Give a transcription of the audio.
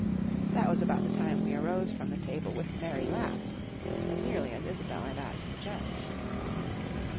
That was about the time we arose from the table with merry laughs, as nearly as Isobel and I can judge.